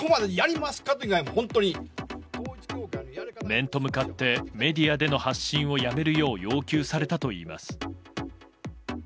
面と向かってメディアでの発信をやめるよう要求されたといいます。